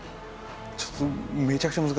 ちょっとめちゃくちゃ難しいな。